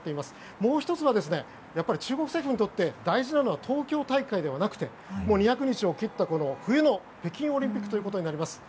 もう１つは中国政府にとって大事なのは東京大会ではなくて２００日を切った冬の北京オリンピックということになります。